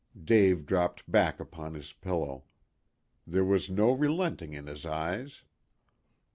Dave dropped back upon his pillow. There was no relenting in his eyes.